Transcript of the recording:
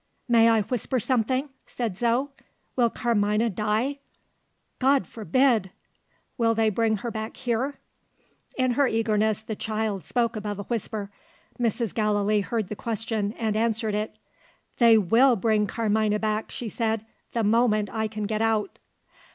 "May I whisper something?" said Zo. "Will Carmina die?" "God forbid!" "Will they bring her back here?" In her eagerness, the child spoke above a whisper. Mrs. Gallilee heard the question, and answered it. "They will bring Carmina back," she said, "the moment I can get out."